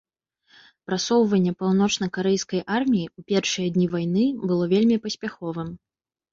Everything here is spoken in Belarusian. Прасоўванне паўночнакарэйскай арміі ў першыя дні вайны было вельмі паспяховым.